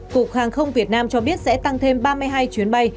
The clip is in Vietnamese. cục hàng không việt nam cho biết sẽ tăng thêm ba mươi hai chuyến bay